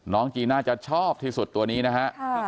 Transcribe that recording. จีน่าจะชอบที่สุดตัวนี้นะฮะ